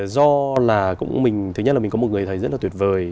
do là thứ nhất là mình có một người thầy rất là tuyệt vời